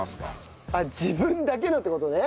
あっ自分だけのって事ね。